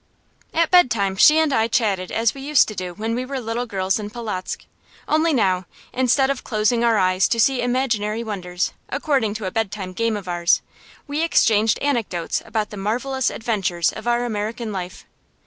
At bedtime she and I chatted as we used to do when we were little girls in Polotzk; only now, instead of closing our eyes to see imaginary wonders, according to a bedtime game of ours, we exchanged anecdotes about the marvellous adventures of our American life.